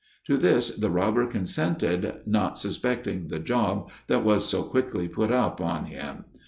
To this the robber consented, not suspecting the "job" that was so quickly put up on him.